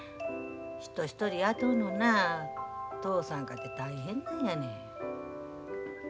人一人雇うのな嬢さんかて大変なんやねん。